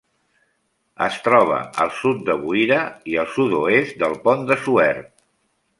Es troba al sud de Buira i al sud-oest del Pont de Suert.